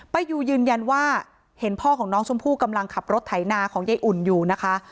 ป้ายูยืนยันว่าเห็นพ่อของน้องชมพู่กำลังขับรถไถนาของยายอุ่นอยู่นะคะ